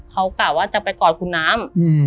เขากะว่าจะไปกอดคุณน้ำ